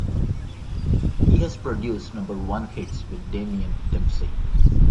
He has produced number one hits with Damien Dempsey.